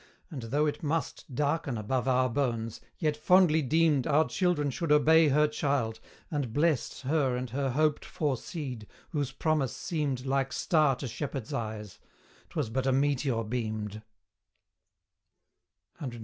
and, though it must Darken above our bones, yet fondly deemed Our children should obey her child, and blessed Her and her hoped for seed, whose promise seemed Like star to shepherd's eyes; 'twas but a meteor beamed.